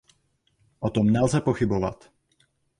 O tom nelze pochybovat.